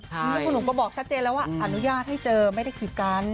นี่คุณหนุ่มก็บอกชัดเจนแล้วว่าอนุญาตให้เจอไม่ได้กีดกัน